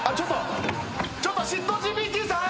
ちょっとシットＧＰＴさん！